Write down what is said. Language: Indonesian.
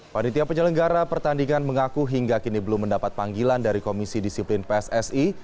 panitia penyelenggara pertandingan mengaku hingga kini belum mendapat panggilan dari komisi disiplin pssi